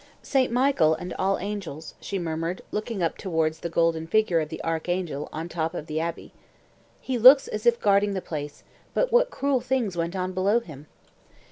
"St. Michael and All Angels," she murmured, looking up towards the golden figure of the archangel on the top of the Abbaye. "He looks as if guarding the place; but what cruel things went on below him."